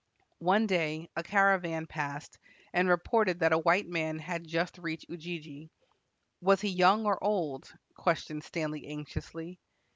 One day a caravan passed and reported that a white man had just reached Ujiji. "Was he young or old?" questioned Stanley anxiously.